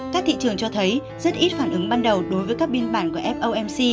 các thị trường cho thấy rất ít phản ứng ban đầu đối với các biên bản của fomc